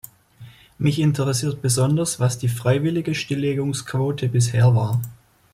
Mich interessiert besonders, was die freiwillige Stillegungsquote bisher war.